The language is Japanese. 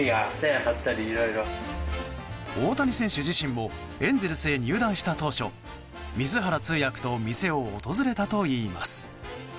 大谷選手自身もエンゼルスへ入団した当初水原通訳と店を訪れたといいます。